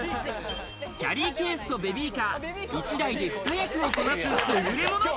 キャリーケースとベビーカー１台で２役をこなす、すぐれもの。